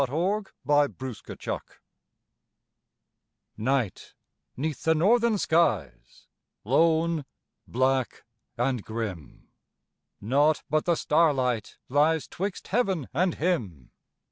THE CAMPER Night 'neath the northern skies, lone, black, and grim: Naught but the starlight lies 'twixt heaven, and him.